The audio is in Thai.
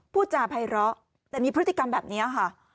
พูดจาภัยร้อแต่มีพฤติกรรมแบบนี้ค่ะ